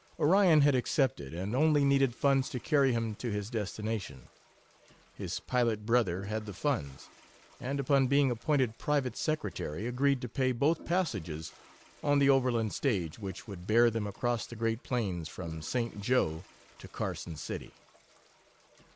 Orion had accepted, and only needed funds to carry him to his destination. His pilot brother had the funds, and upon being appointed "private" secretary, agreed to pay both passages on the overland stage, which would bear them across the great plains from St. Jo to Carson City.